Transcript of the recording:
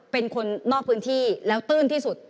เป็นคนนอกพื้นที่แล้วตื้นที่สุด